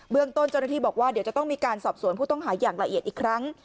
เรื่องต้นเจ้าหน้าที่บอกว่าเดี๋ยวจะต้องมีการสอบสวนผู้ต้องหาอย่างละเอียดอีกครั้ง